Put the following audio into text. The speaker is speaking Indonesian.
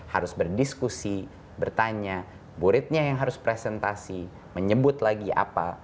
harus berdiskusi bertanya muridnya yang harus presentasi menyebut lagi apa